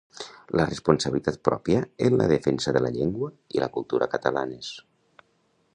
La responsabilitat pròpia en la defensa de la llengua i la cultura catalanes.